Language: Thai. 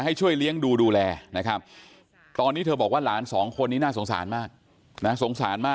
ให้ช่วยเลี้ยงดูดูแลนะครับตอนนี้เธอบอกว่าหลานสองคนนี้น่าสงสารมากนะสงสารมาก